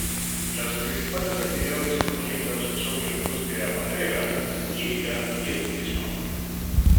Las principales actividades económicas son la industria maderera, química y el turismo.